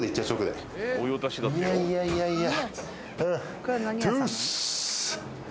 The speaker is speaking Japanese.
いやいやいやいや。